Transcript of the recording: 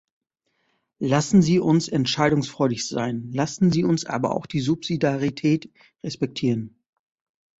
Lassen Sie uns entscheidungsfreudig sein, lassen Sie uns aber auch die Subsidiarität respektieren.